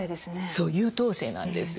そう優等生なんですよ。